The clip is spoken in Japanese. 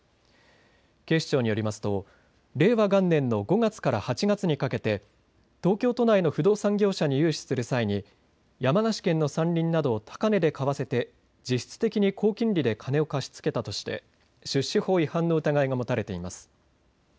警視庁によりますと令和元年の５月から８月にかけて東京都内の不動産業者に融資する際に山梨県の山林などを高値で買わせて実質的に高金利で金を貸し付けたとして出資法違反の疑いが持たれています。